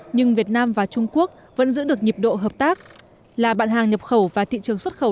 nhưng việt nam và trung quốc vẫn giữ được nhịp độ hợp tác là bạn hàng nhập khẩu và thị trường xuất khẩu